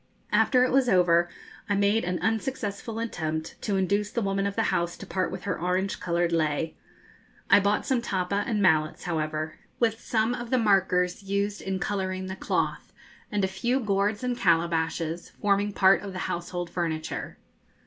After it was over I made an unsuccessful attempt to induce the woman of the house to part with her orange coloured lei. I bought some tappa and mallets, however, with some of the markers used in colouring the cloth, and a few gourds and calabashes, forming part of the household furniture.